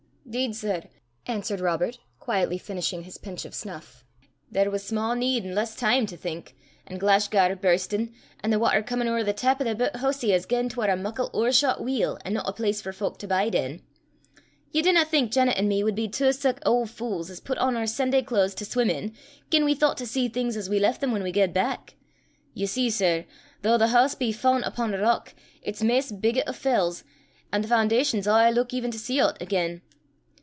"'Deed, sir," answered Robert, quietly finishing his pinch of snuff, "there was sma' need, an' less time to think, an' Glashgar bursten, an' the watter comin' ower the tap o' the bit hoosie as gien 'twar a muckle owershot wheel, an' no a place for fowk to bide in. Ye dinna think Janet an' me wad be twa sic auld fules as pit on oor Sunday claes to sweem in, gien we thoucht to see things as we left them whan we gaed back! Ye see, sir, though the hoose be fun't upo' a rock, it's maist biggit o' fells, an' the foundation's a' I luik even to see o' 't again.